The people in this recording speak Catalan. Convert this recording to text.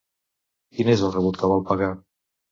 Quin és el rebut que vol pagar?